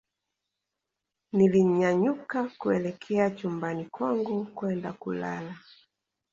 nilinyanyuka kuelekea chumbani kwangu kwenda kulala